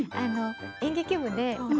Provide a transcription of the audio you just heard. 演劇部で私